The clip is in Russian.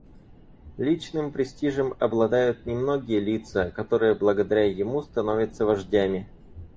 Личным престижем обладают немногие лица, которые благодаря ему становятся вождями.